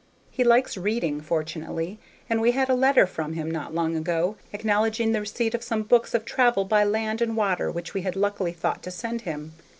He likes reading, fortunately, and we had a letter from him, not long ago, acknowledging the receipt of some books of travel by land and water which we had luckily thought to send him.